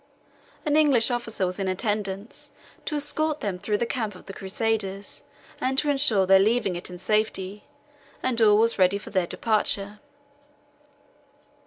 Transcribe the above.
An English officer was in attendance, to escort them through the camp of the Crusaders, and to ensure their leaving it in safety; and all was ready for their departure.